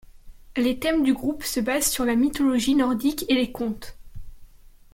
Les thèmes du groupe se basent sur la mythologie nordique et les contes.